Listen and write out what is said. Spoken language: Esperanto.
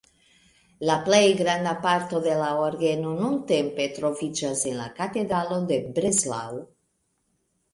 La plej granda parto de la orgeno nuntempe troviĝas en la katedralo de Breslau.